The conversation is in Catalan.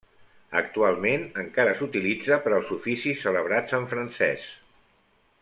Actualment, encara s'utilitza per als oficis celebrats en francès.